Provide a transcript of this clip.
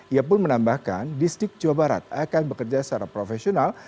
ia pun menambahkan distrik jawa barat akan bekerja secara profesional